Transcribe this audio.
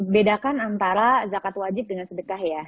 bedakan antara zakat wajib dengan sedekah ya